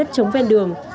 đất chống ven đường